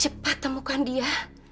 cepat temukan dia